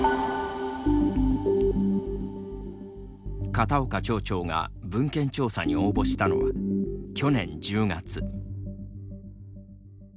片岡町長が文献調査に応募したのは、去年１０月。